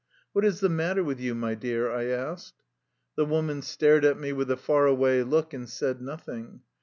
"What is the matter with you, my dear?" I asked. The woman stared at me with a far away look and said nothing.